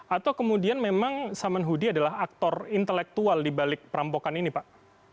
atau kemudian memang saman hudi adalah aktor intelektual dibalik perampokan ini pak